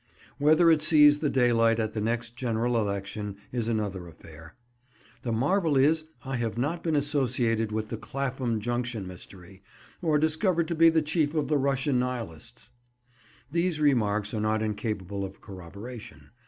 Whether it sees the daylight at the next general election is another affair. The marvel is I have not been associated with the "Clapham Junction Mystery," or discovered to be the chief of the Russian Nihilists. These remarks are not incapable of corroboration.